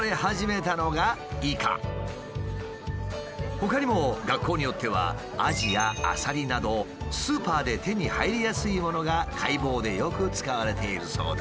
ほかにも学校によってはアジやアサリなどスーパーで手に入りやすいものが解剖でよく使われているそうだ。